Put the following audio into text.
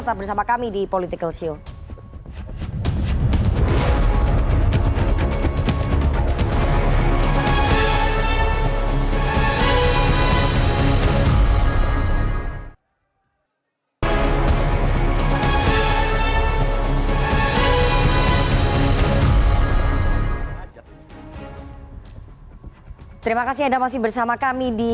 tetap bersama kami di